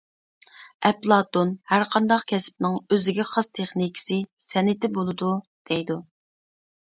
ئەپلاتون «ھەرقانداق كەسىپنىڭ ئۆزىگە خاس تېخنىكىسى، سەنئىتى بولىدۇ» دەيدۇ.